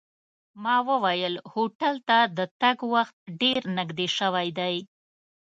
ما وویل هوټل ته د تګ وخت ډېر نږدې شوی دی.